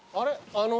あの？